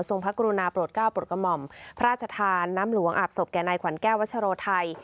พระกรุณาโปรดก้าวโปรดกระหม่อมพระราชทานน้ำหลวงอาบศพแก่นายขวัญแก้ววัชโรไทย